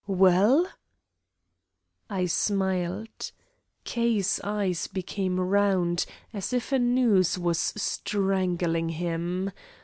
"Well?" I smiled. K.'s eyes became round, as if a noose was strangling him.